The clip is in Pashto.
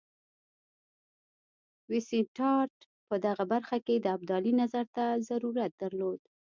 وینسیټارټ په دغه برخه کې د ابدالي نظر ته ضرورت درلود.